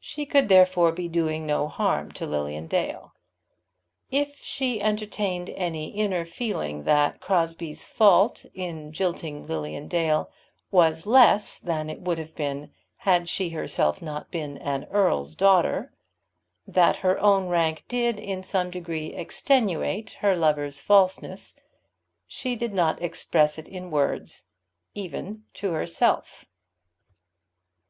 She could therefore be doing no harm to Lilian Dale. If she entertained any inner feeling that Crosbie's fault in jilting Lilian Dale was less than it would have been had she herself not been an earl's daughter, that her own rank did in some degree extenuate her lover's falseness, she did not express it in words even to herself.